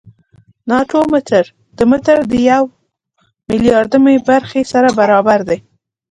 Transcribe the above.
ناتو متر د متر د یو میلیاردمه برخې سره برابر دی.